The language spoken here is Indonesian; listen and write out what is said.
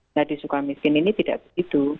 nah di sukamiskin ini tidak begitu